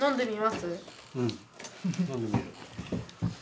うん飲んでみる。